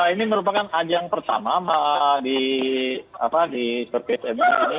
ini merupakan ajang pertama di circuit sma ini